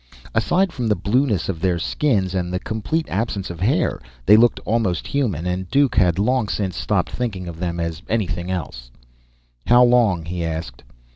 Aside from the blueness of their skins and the complete absence of hair, they looked almost human, and Duke had long since stopped thinking of them as anything else. "How long?" he asked.